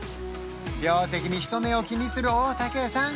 病的に人目を気にする大竹さん